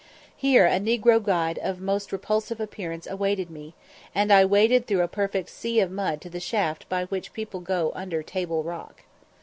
Here a negro guide of most repulsive appearance awaited me, and I waded through a perfect sea of mud to the shaft by which people go under Table Rock.